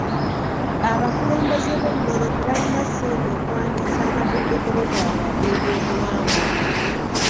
Abakulembeze b'ennono tebalina ssente okuwandiisa amatendekero gaabwe ag'ebyobuwangwa.